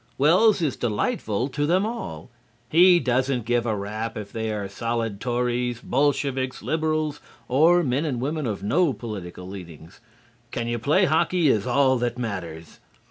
Wells is delightful to them all. He doesn't give a rap if they are solid Tories, Bolsheviks, Liberals, or men and women of no political leanings, Can you play hockey? is all that matters.